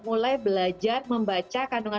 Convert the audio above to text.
mulai belajar membaca kandungan